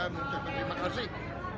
mengucapkan terima kasih